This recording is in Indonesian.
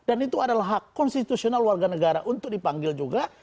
ada hak konstitusional warga negara untuk dipanggil juga